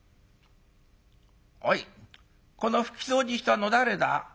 おいこの拭き掃除したの誰だ？